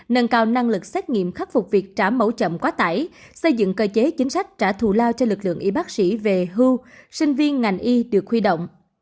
nâng cao năng lực xét nghiệm khắc phục việc trả mẫu chậm quá tải xây dựng cơ chế chính sách trả thù lao cho lực lượng y bác sĩ về hưu sinh viên ngành y được huy động